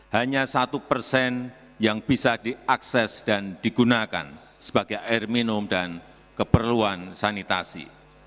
hanya satu persen yang bisa diakses dan digunakan sebagai air minum dan keperluan sanitasi